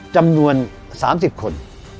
จำนวน๓๐คน